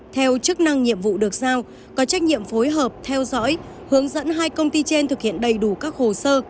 theo chức năng nhiệm vụ được sao có trách nhiệm phối hợp theo dõi hướng dẫn hai công ty trên thực hiện đầy đủ các hồ sơ